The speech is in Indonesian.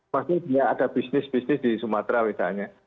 maksudnya ada bisnis bisnis di sumatera misalnya